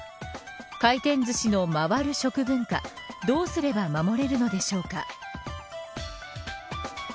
回転ずしの、回る食文化どうすれば守れるのでしょうか。